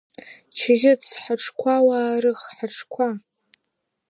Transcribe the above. Ҷыӷьыц, ҳаҽқәа уаарых, ҳаҽқәа.